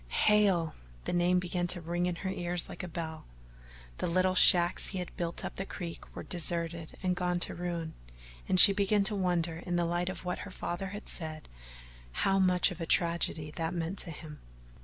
Hale! the name began to ring in her ears like a bell. The little shacks he had built up the creek were deserted and gone to ruin, and she began to wonder in the light of what her father had said how much of a tragedy that meant to him.